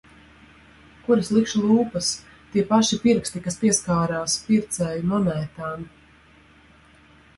Kur es likšu lūpas, tie paši pirksti, kas pieskarās pircēju monētām...